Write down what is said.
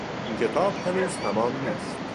این کتاب هنوز تمام نیست.